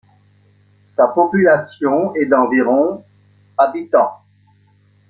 Sa population est d’environ habitants.